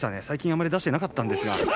最近あまり出していなかったんですけど。